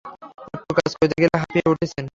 একটু কাজ করতে গেলে হাঁপিয়ে উঠছেন।